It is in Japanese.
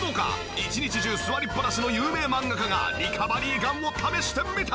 一日中座りっぱなしの有名漫画家がリカバリーガンを試してみた！